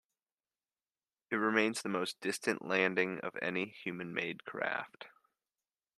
It remains the most distant landing of any human-made craft.